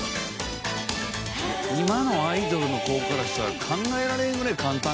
今のアイドルの子からしたら考えられんぐらい簡単な。